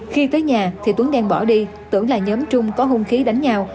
khi tới nhà thì tuấn đen bỏ đi tưởng là nhóm trung có hung khí đánh nhau